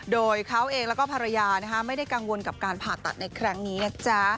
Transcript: โดยเขาเองแล้วก็ภรรยาไม่ได้กังวลกับการผ่าตัดในครั้งนี้นะจ๊ะ